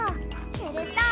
すると。